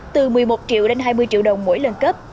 từ một mươi một triệu đến hai mươi triệu đồng mỗi lần cấp